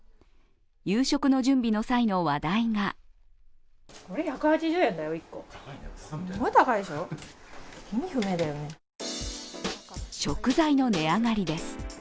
夕食の準備の際の話題が食材の値上がりです。